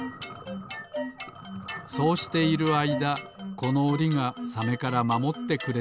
そうしているあいだこのおりがサメからまもってくれるのです